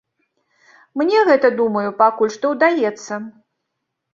Мне гэта, думаю, пакуль што ўдаецца.